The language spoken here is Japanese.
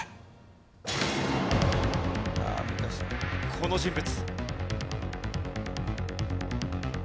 この人物。